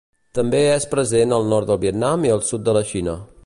També és present al nord del Vietnam i al sud de la Xina.